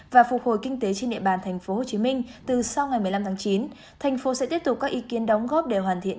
và phục hồi kinh tế trên địa bàn thành phố hồ chí minh từ sau ngày một mươi năm tháng chín